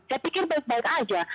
saya pikir baik baik aja